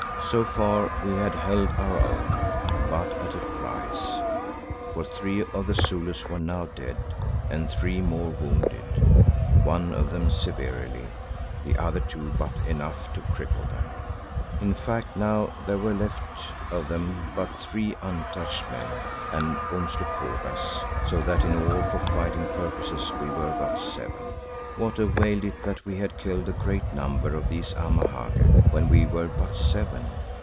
So far we had held our own, but at a price, for three of the Zulus were now dead and three more wounded, one of them severely, the other two but enough to cripple them. In fact, now there were left of them but three untouched men, and Umslopogaas, so that in all for fighting purposes we were but seven. What availed it that we had killed a great number of these Amahagger, when we were but seven?